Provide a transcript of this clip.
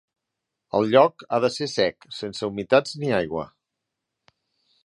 El lloc ha de ser sec, sense humitats ni aigua.